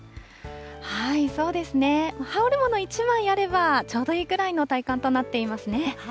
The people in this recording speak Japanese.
羽織るもの１枚あればちょうどいいくらいの体感となっていますね。